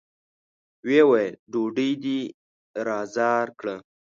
ويې ويل: ډوډۍ دې را زار کړه!